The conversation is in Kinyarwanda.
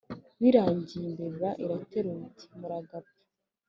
birangiye imbeba iraterura iti muragapfa